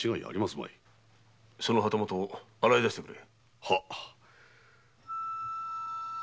その旗本を洗い出してくれ。